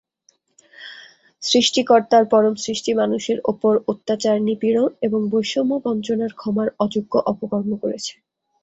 সৃষ্টিকর্তার পরম সৃষ্টি মানুষের ওপর অত্যাচার-নিপীড়ন এবং বৈষম্য-বঞ্চনার ক্ষমার অযোগ্য অপকর্ম করেছে।